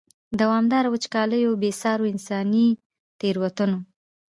دوامدارو وچکالیو، بې سارو انساني تېروتنو.